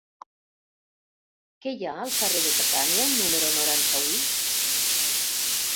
Què hi ha al carrer de Catània número noranta-u?